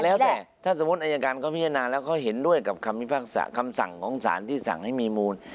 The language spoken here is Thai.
แล้วแต่ถ้าสมมุติอายการเขาพิจารณาแล้วเขาเห็นด้วยกับคำสั่งของสารที่สั่งให้มีมูล